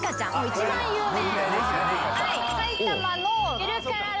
一番有名。